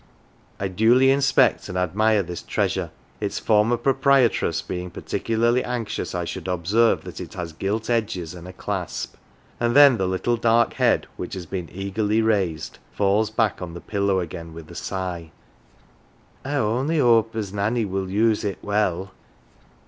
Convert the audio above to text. I duly inspect and admire this treasure, its former proprietress being particularly anxious I should observe that it has gilt edges and a clasp ; and then the little dark head, which has been eagerly raised, falls back on the pillow again with a sigh. " I only hope as Nanny will use it well